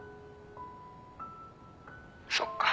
そっか。